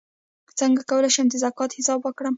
څنګه کولی شم د زکات حساب وکړم